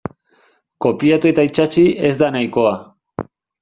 Kopiatu eta itsatsi ez da nahikoa.